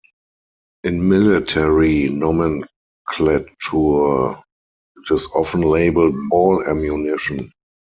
In military nomenclature, it is often labeled "ball" ammunition.